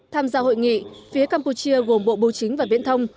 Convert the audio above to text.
tham gia hội nghị phía campuchia gồm bộ bố chính và biện thông